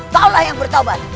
seolah yang bertobat